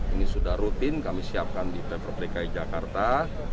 ini sudah rutin kami siapkan di pemprov dki jakarta